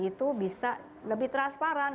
itu bisa lebih transparan